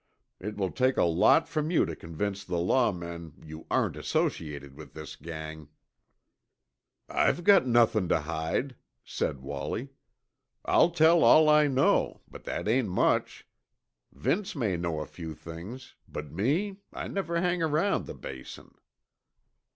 It will take a lot from you to convince the law men you aren't associated with this gang." "I've got nothin' to hide," said Wallie. "I'll tell all I know, but that ain't much. Vince may know a few things, but me, I never hang around the Basin."